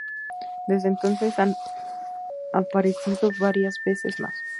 Desde entonces, han aparecido varias veces más.